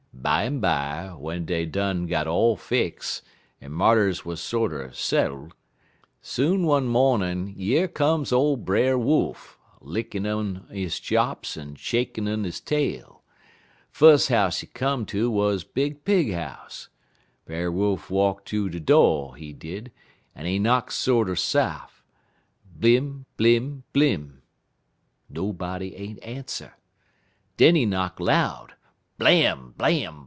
"Bimeby, w'en dey done got all fix, en marters wuz sorter settle, soon one mawnin' yer come ole Brer Wolf, a lickin' un his chops en a shakin' un his tail. Fus' house he come ter wuz Big Pig house. Brer Wolf walk ter de do', he did, en he knock sorter saf' blim! blim! blim! Nobody ain't answer. Den he knock loud _blam! blam!